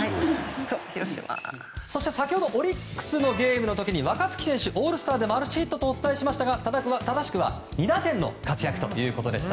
そして先ほどオリックスの試合の時若月選手、オールスターでマルチヒットとお伝えしましたがお伝えしましたが正しくは２打点の活躍でした。